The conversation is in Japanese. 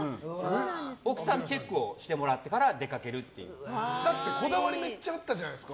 奥さんチェックをしてもらってからだってこだわりめっちゃあったじゃないですか。